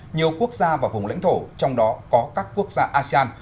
nhiều quốc gia và vùng lãnh thổ trong đó có các quốc gia asean